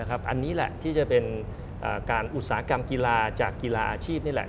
อันนี้แหละที่จะเป็นการอุตสาหกรรมกีฬาจากกีฬาอาชีพนี่แหละ